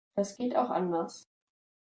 Das geht auch anders.